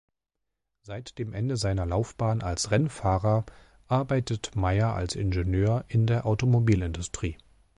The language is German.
Seit dem Ende seiner Laufbahn als Rennfahrer arbeitet Meier als Ingenieur in der Automobilindustrie.